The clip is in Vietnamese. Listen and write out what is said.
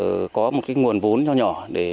để có một tiền lương phụ cấp của cán bộ chiến sĩ